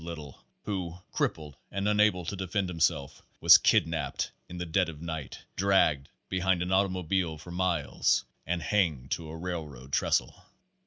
Little, who, crippled and un able to defend himself, was kidnapped in the dead of* night, dragged behind an automoblie for miles and hanged to a railroad trestle.